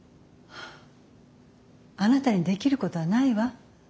あなたにできることはないわ。